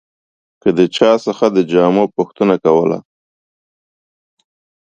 که د چا څخه د جامو پوښتنه کوله.